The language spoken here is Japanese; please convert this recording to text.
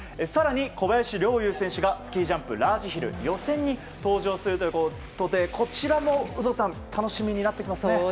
更に、小林陵侑選手がスキージャンプ・ラージヒル予選に登場するということでこちらも有働さん楽しみになってきますね。